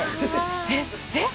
えっえっ？